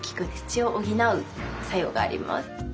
血を補う作用があります。